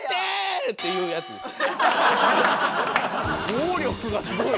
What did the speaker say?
暴力がすごい。